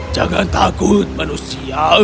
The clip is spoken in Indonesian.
jangan takut manusia